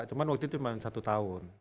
cuma waktu itu cuma satu tahun